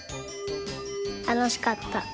たのしかった。